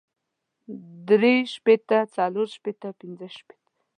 درې شپېته څلور شپېته پنځۀ شپېته